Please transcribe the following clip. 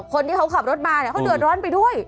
คนที่เขาขับรถมาเขาลืดร้อนไปด้วย